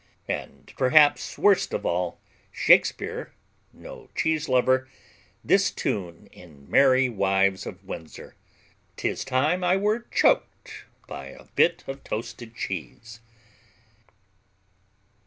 And, perhaps worst of all, Shakespeare, no cheese lover, this tune in Merry Wives of Windsor: 'Tis time I were choked by a bit of toasted cheese.